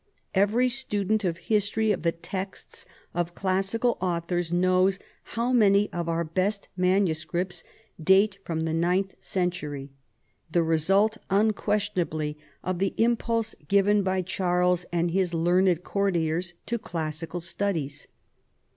Every student of the history of the texts of the classical authors knows how many of our best MSS. date from the ninth century, the result unquestionably of the impulse given by Charles and his learned courtiers to classical studies.